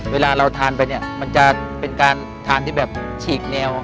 เวลาเราทานไปเนี่ยมันจะเป็นการทานที่แบบฉีกแนว